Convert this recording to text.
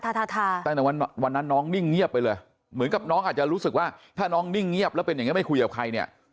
ตั้งแต่วันนั้นน้องนิ่งเงียบไปเลยเหมือนกับน้องอาจจะรู้สึกว่าถ้าน้องนิ่งเงียบแล้วเป็นอย่างนี้ไม่คุยกับใครเนี่ย